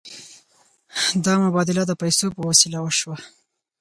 دا مبادله د پیسو په وسیله وشوه.